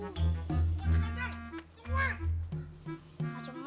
joni dikejar kejar orang gitu